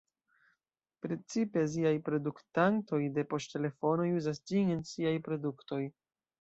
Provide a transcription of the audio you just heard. Precipe aziaj produktantoj de poŝtelefonoj uzas ĝin en siaj produktoj.